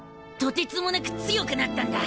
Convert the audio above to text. とてつもなく強くなったんだ。